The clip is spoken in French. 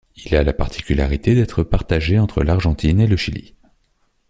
Il a la particularité d'être partagé entre l'Argentine et le Chili.